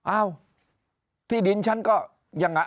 อ้าวที่ดินฉันก็ยังไง